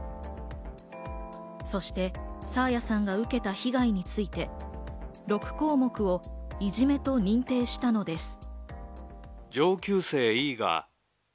そして爽彩さんが受けた被害について、６項目をいじめと認定したのです。